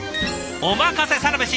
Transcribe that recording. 「おまかせサラメシ」